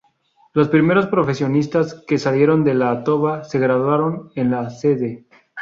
Los primeros profesionistas que salieron de La Toba, se graduaron en la Cd.